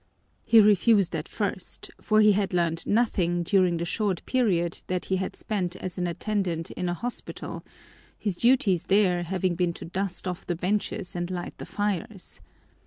He refused at first, for he had learned nothing during the short period that he had spent as an attendant in a hospital, his duties there having been to dust off the benches and light the fires.